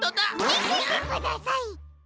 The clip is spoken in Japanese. みせてください！